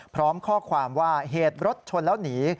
พร้อมข้อความว่าเหตุรถชนแล้วหนี